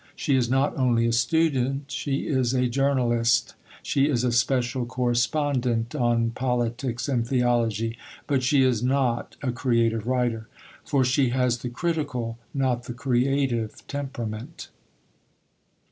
She is not only a student, she is a journalist; she is a special correspondent on politics and theology; but she is not a creative writer. For she has the critical, not the creative, temperament.